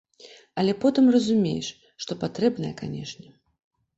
Але потым разумееш, што патрэбнае, канешне.